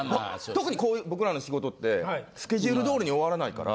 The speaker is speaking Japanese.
特に僕らの仕事ってスケジュール通りに終わらないから。